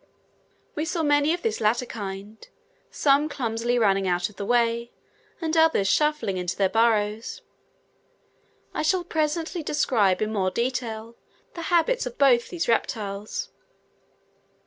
We saw many of this latter kind, some clumsily running out of the way, and others shuffling into their burrows. I shall presently describe in more detail the habits of both these reptiles.